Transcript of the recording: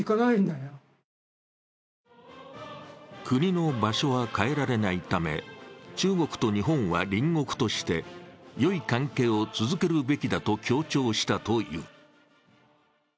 国の場所は変えられないため、中国と日本は隣国としてよい関係を続けるべきだと強調したという。